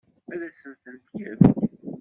Ad asent-ten-yefk?